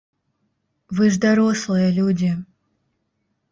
Вы ж дарослыя людзі.